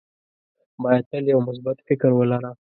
باید تل یو مثبت فکر ولره.